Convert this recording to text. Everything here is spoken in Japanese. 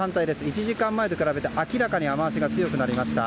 １時間前と比べて明らかに雨脚が強くなりました。